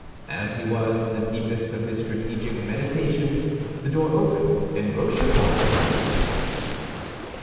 As he was in the deepest of his strategic meditations, the door opened, and Rochefort returned.